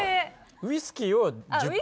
ウイスキーを１０杯？